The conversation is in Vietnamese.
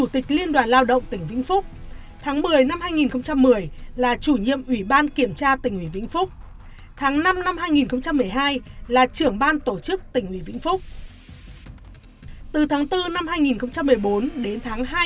từ tháng bốn năm hai nghìn một mươi bốn đến tháng hai năm hai nghìn một mươi năm